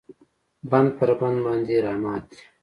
بند پر بند باندې راماتی